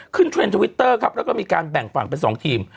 เทรนด์ทวิตเตอร์ครับแล้วก็มีการแบ่งฝั่งเป็น๒ทีม